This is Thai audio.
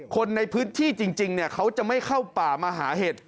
คนในพื้นที่จริงเขาจะไม่เข้าป่ามาหาเห็ด